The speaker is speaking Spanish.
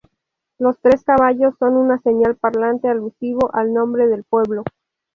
Los tres caballos son un señal parlante alusivo al nombre del pueblo.